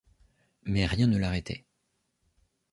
Mais rien ne l’arrêtait.